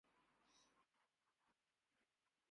کُشتۂ دشمن ہوں آخر، گرچہ تھا بیمارِ دوست